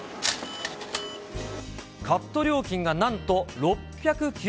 カット料金がなんと６９０円。